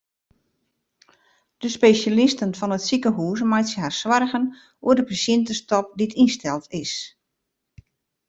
De spesjalisten fan it sikehús meitsje har soargen oer de pasjintestop dy't ynsteld is.